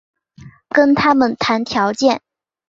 跟他们谈条件